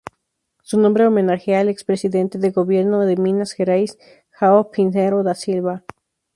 Su nombre homenajea al expresidente del gobierno de Minas Gerais, João Pinheiro da Silva.